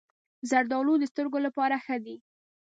زردالو د سترګو لپاره ښه دي.